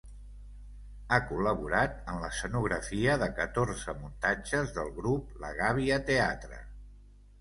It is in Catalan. Ha col·laborat en l'escenografia de catorze muntatges del grup La Gàbia Teatre.